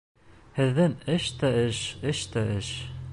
Һеҙҙең эш тә эш, эш тә эш.